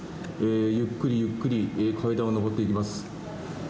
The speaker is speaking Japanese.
ゆっくりゆっくり階段を上っていきます。